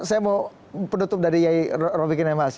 saya mau penutup dari yai ropikinan mas